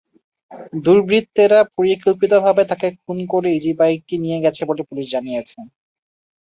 দুর্বৃত্তরা পরিকল্পিতভাবে তাঁকে খুন করে ইজিবাইকটি নিয়ে গেছে বলে পুলিশ জানিয়েছে।